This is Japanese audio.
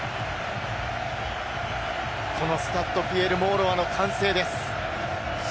このスタッド・ピエール・モーロイの歓声です。